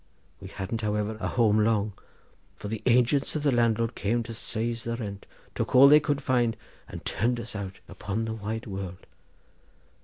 We hadn't, however, a home long, for the agents of the landlord came to seize for rent, took all they could find, and turned us out upon the wide world.